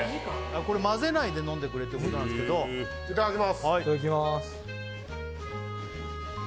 これ混ぜないで飲んでくれってことなんですけどいただきますいただきます